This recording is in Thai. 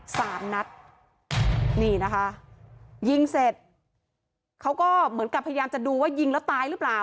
สามนัดนี่นะคะยิงเสร็จเขาก็เหมือนกับพยายามจะดูว่ายิงแล้วตายหรือเปล่า